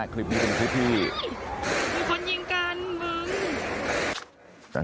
ค่ะ